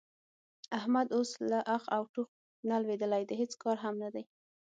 احمد اوس له اخ او ټوخ نه لوېدلی د هېڅ کار هم نه دی.